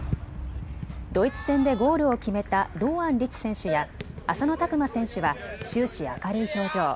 ドイツ戦でゴールを決めた堂安律選手や浅野拓磨選手は終始、明るい表情。